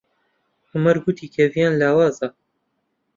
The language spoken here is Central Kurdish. عومەر گوتی کە ڤیان لاوازە.